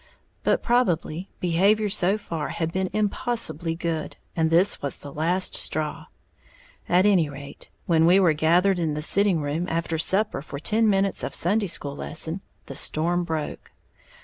But probably behavior so far had been impossibly good, and this was the last straw. At any rate, when we were gathered in the sitting room after supper for ten minutes of Sunday school lesson, the storm broke.